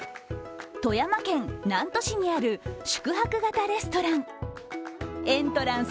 富山県南砺市にある宿泊型レストラン。